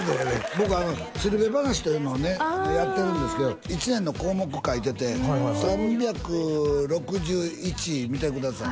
僕あの「鶴瓶噺」というのをねやってるんですけど一年の項目書いてて３６１見てください